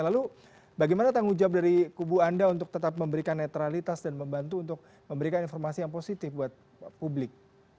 lalu bagaimana tanggung jawab dari kubu anda untuk tetap memberikan netralitas dan membantu untuk memberikan informasi yang positif buat publik